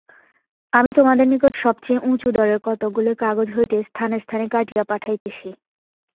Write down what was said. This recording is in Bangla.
আমি তোমাদের নিকট সবচেয়ে উঁচুদরের কতকগুলি কাগজ হইতে স্থানে স্থানে কাটিয়া পাঠাইতেছি।